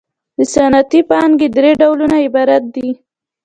د صنعتي پانګې درې ډولونه عبارت دي